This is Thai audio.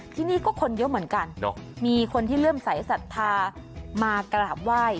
ที่นี่ก็คนเยอะเหมือนกันมีคนที่เลื่อมใสสัทธามากราบไหว้